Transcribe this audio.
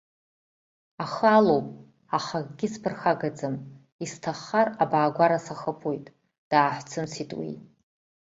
Ахы алоуп, аха акгьы исԥырхагаӡам, исҭаххар абаагәара сахыԥоит, дааҳәцы-мцит уи.